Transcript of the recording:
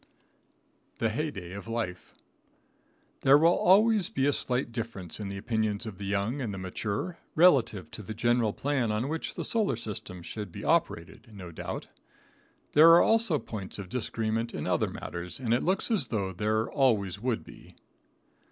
The Heyday of Life. There will always be a slight difference in the opinions of the young and the mature, relative to the general plan on which the solar system should be operated, no doubt. There are also points of disagreement in other matters, and it looks as though there always would be.